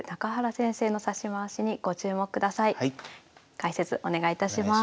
解説お願いいたします。